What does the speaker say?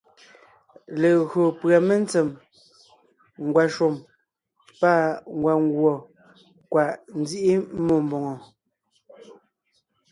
Legÿo pʉ́a mentsèm, ngwàshùm pâ ngwàngùɔ, kwàʼ nzíʼi mmó mbòŋo.